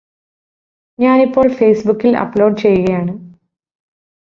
ഞാനിപ്പോള് ഫേസ്ബുക്കിൽ അപ്ലോഡ് ചെയ്യുകയാണ്